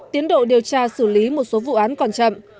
tiến độ điều tra xử lý một số vụ án còn chậm